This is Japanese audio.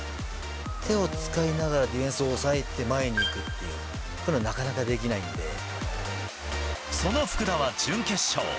手を使いながら、ディフェンスを抑えて前に行くっていう、これはなかなかできないその福田は準決勝。